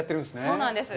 そうなんです。